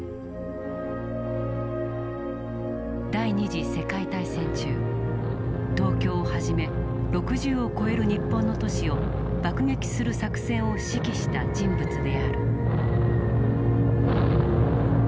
第２次世界大戦中東京をはじめ６０を超える日本の都市を爆撃する作戦を指揮した人物である。